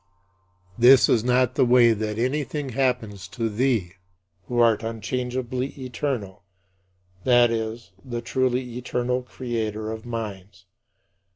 This is not the way that anything happens to thee, who art unchangeably eternal, that is, the truly eternal Creator of minds.